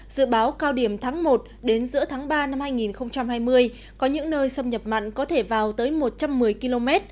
dự báo cao điểm tháng một đến giữa tháng ba năm hai nghìn hai mươi có những nơi xâm nhập mặn có thể vào tới một trăm một mươi km